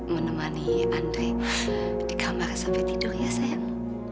menemani andai di kamar sampai tidur ya sayang